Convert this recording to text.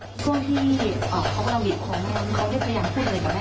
ก็ที่อ่าเขาบริหรี่ของแม่เขาได้พยายามเครื่องหน่อยกับแม่